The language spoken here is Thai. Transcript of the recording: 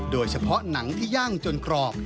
โดยเฉพาะหนังที่ย่างจนกรอบ